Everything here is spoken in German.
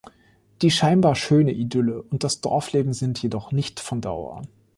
Die scheinbar schöne Idylle und das Dorfleben sind jedoch nicht von Dauer.